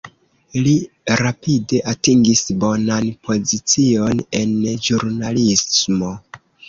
Li rapide atingis bonan pozicion en ĵurnalismo.